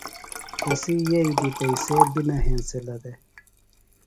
تسی یئیی دی پئسے بیۡ نہ ہنسِلہ دےۡ۔